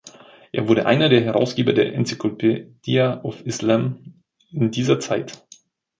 Er wurde einer der Herausgeber der "Encyclopaedia of Islam" in dieser Zeit.